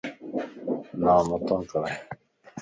نامتان ڪرين